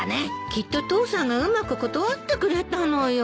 きっと父さんがうまく断ってくれたのよ。